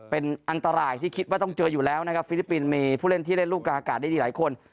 เป็นอันตรายที่คิดว่าต้องเจออยู่แล้วนะครับฟิลิปปินส์มีผู้เล่นที่เล่นลูกกลางอากาศได้ดีหลายคน